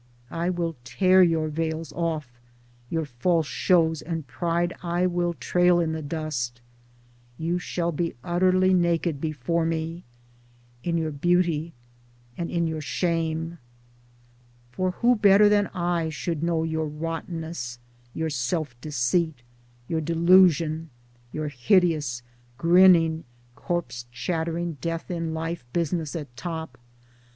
I will tear your veils off, your false shows and pride I will trail in the dust, — you shall be utterly naked before me, in your beauty and in your shame. For who better than I should know your rottenness, your self deceit, your delusion, your hideous grinning corpse chattering death in life business at top